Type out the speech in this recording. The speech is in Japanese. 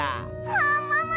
ももも！